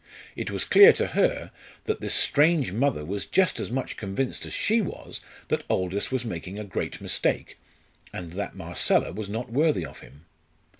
It was clear to her that this strange mother was just as much convinced as she was that Aldous was making a great mistake, and that Marcella was not worthy of him.